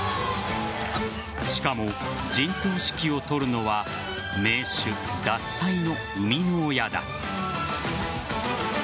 しかも、陣頭指揮を執るのは銘酒・獺祭の生みの親だ。